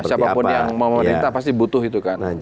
siapapun yang memerintah pasti butuh itu kan